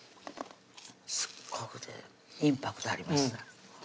すっごくインパクトあります